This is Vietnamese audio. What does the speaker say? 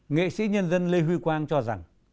nghệ sĩ nhân dân lê huy quang cho rằng